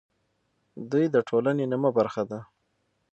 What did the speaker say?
دوی د ټولنې نیمه برخه ده.